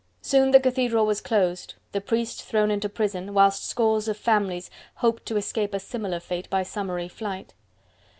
Soon the cathedral was closed, the priests thrown into prison, whilst scores of families hoped to escape a similar fate by summary flight.